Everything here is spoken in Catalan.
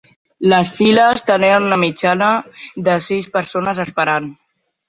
Les files tenien una mitjana de sis persones esperant.